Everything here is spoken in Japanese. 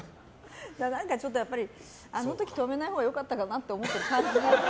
だから、何かちょっとあの時、止めないほうが良かったかなって思ってた感じも。